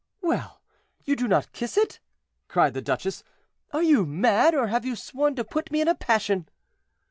"Well, you do not kiss it!" cried the duchess; "are you mad, or have you sworn to put me in a passion?"